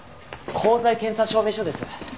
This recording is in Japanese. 鋼材検査証明書です。